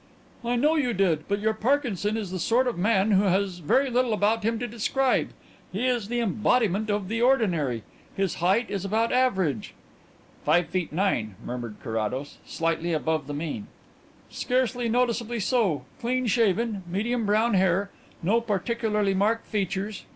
"I know you did, but your Parkinson is the sort of man who has very little about him to describe. He is the embodiment of the ordinary. His height is about average " "Five feet nine," murmured Carrados. "Slightly above the mean." "Scarcely noticeably so. Clean shaven. Medium brown hair. No particularly marked features.